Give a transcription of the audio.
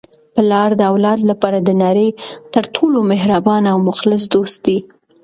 پلار د اولاد لپاره د نړۍ تر ټولو مهربانه او مخلص دوست دی.